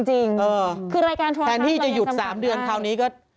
จริงคือรายการช่วงค้าแทนที่จะหยุด๓เดือนเขานี้ก็